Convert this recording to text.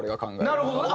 なるほどな。